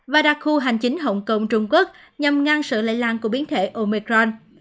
và đặc khu hành chính hồng kông trung quốc nhằm ngăn sự lây lan của biến thể omecron